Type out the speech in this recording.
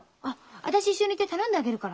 私一緒に行って頼んであげるから。